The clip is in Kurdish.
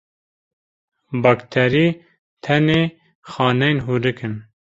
Bakterî tenê xaneyên hûrik in.